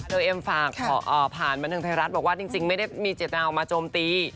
เอ็มฝากผ่านบันเทิงไทยรัฐบอกว่าจริงไม่ได้มีเจตนาออกมาโจมตี